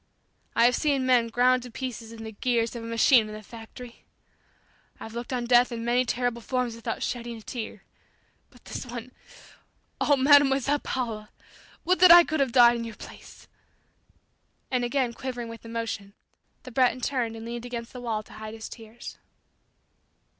I have seen men ground to pieces in the gears of a machine in the factory. I've looked on death in many terrible forms without shedding a tear but this one! oh, Mademoiselle Paula! Would that I could have died in your place!" And again quivering with emotion, the Breton turned and leaned against the wall to hide his tears.